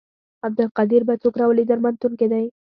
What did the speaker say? عبدالقدیر به څوک راولي درملتون کې دی.